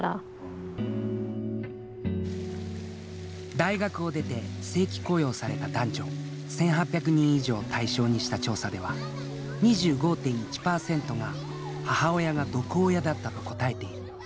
大学を出て正規雇用された男女１，８００人以上を対象にした調査では２５．１％が「母親が毒親だった」と答えている。